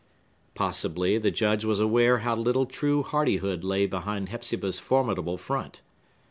Possibly, the Judge was aware how little true hardihood lay behind Hepzibah's formidable front.